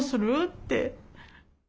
って。